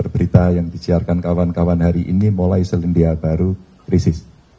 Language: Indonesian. berita yang disiarkan kawan kawan hari ini mulai selandia baru krisis